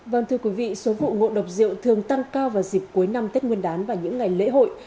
vâng thưa quý vị số vụ ngộ độc rượu thường tăng cao vào dịp cuối năm tết nguyên đán và những ngày lễ hội